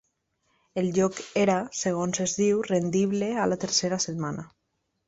El lloc era, segons es diu, rendible a la tercera setmana.